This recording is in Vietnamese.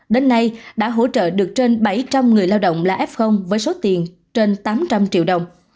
đến nay đã hỗ trợ được trên bảy trăm linh người lao động là f với số tiền trên tám trăm linh triệu đồng